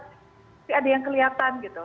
tapi ada yang kelihatan gitu